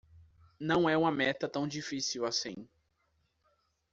Não é uma meta tão difícil assim.